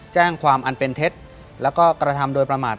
แจ้งความอันเป็นเท็จแล้วก็กระทำโดยประมาท